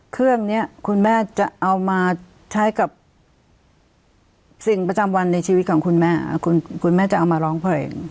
เครื่องนี้คุณแม่จะเอามาใช้กับสิ่งประจำวันในชีวิตของคุณแม่คุณแม่จะเอามาร้องเพลง